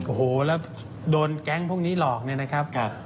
โอ้โหแล้วโดนแก๊งพวกนี้หลอกเนี่ยนะครับ